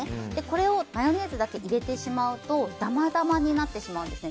これをマヨネーズだけ入れてしまうとだまだまになってしまうんです。